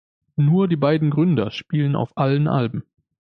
Nur die beiden Gründer spielen auf allen Alben.